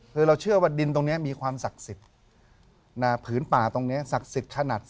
คือเราเชื่อว่าดินตรงนี้มีความศักดิ์สิทธิ์ผืนป่าตรงนี้ศักดิ์สิทธิ์ขนาด